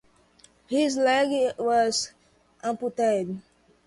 His leg was amputated.